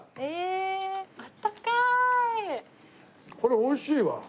これ美味しいわ。